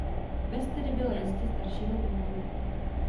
Ves tedy byla jistě staršího původu.